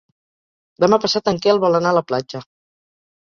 Demà passat en Quel vol anar a la platja.